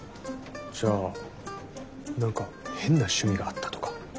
じゃあ何か変な趣味があったとか？